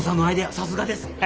さすがです！